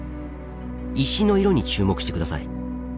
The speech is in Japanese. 石の色に注目して下さい。